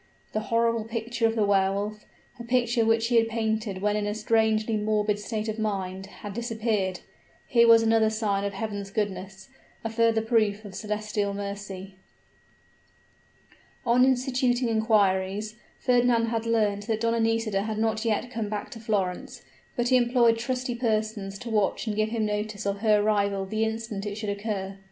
The horrible picture of the Wehr Wolf, a picture which he had painted when in a strangely morbid state of mind had disappeared. Here was another sign of Heaven's goodness a further proof of celestial mercy. On instituting inquiries, Fernand had learnt that Donna Nisida had not yet come back to Florence: but he employed trusty persons to watch and give him notice of her arrival the instant it should occur.